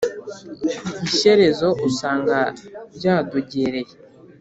Ishyerezo usanga byadogereye !